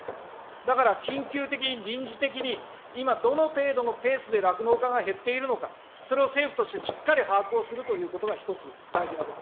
だから緊急的に、臨時的に、今、どの程度のペースで酪農家が減っているのか、それを政府としてしっかり把握をするということが一つ大事なこと。